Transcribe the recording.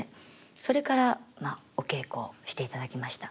それからお稽古をしていただきました。